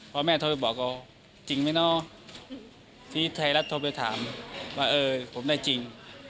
พ่อแม่โทรไปบอกเขาจริงไหมเนาะที่ไทยรัฐโทรไปถามว่าเออผมได้จริง